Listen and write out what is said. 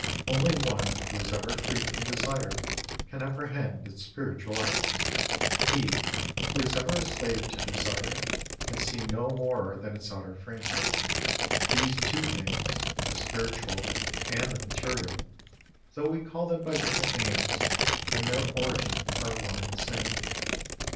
Only one who is ever free from desire can apprehend its spiritual essence ; he who is ever a slave to desire can see no more than its outer fringe. These two things, the spiritual and the material, though we call them by different names, in their origin are one and the same.